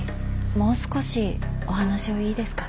もう少しお話をいいですか。